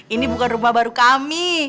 ini bukan rumah baru kami